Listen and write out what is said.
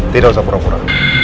tidak usah pura pura